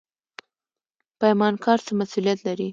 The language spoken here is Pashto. پیمانکار څه مسوولیت لري؟